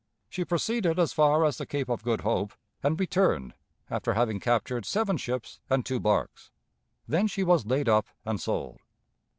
She proceeded as far as the Cape of Good Hope, and returned, after having captured seven ships and two barks. Then she was laid up and sold.